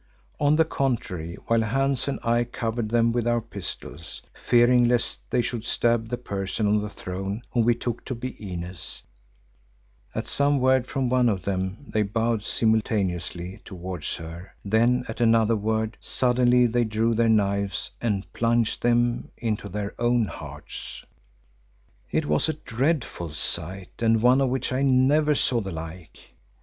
On the contrary while Hans and I covered them with our pistols, fearing lest they should stab the person on the throne whom we took to be Inez, at some word from one of them, they bowed simultaneously towards her, then at another word, suddenly they drew the knives and plunged them to their own hearts! It was a dreadful sight and one of which I never saw the like.